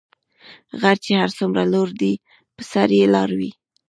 غر چی هر څومره لوړ دي په سر یي لار وي .